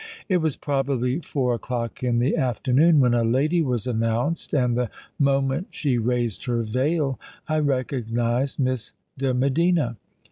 It was probably four o'clock in the afternoon, when a lady was announced; and the moment she raised her veil, I recognised Miss de Medina.